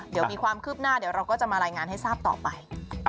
เดี๋ยวมีความคืบหน้าเดี๋ยวเราก็จะมารายงานให้ทราบต่อไป